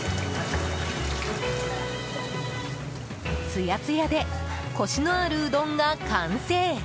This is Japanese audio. つやつやでコシのあるうどんが完成。